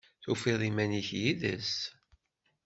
Tufiḍ iman-ik yid-s?